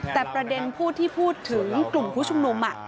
แต่ประเด็นพูดที่พูดถึงกลุ่มผู้ชุมนุม